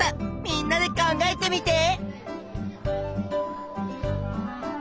みんなで考えてみて！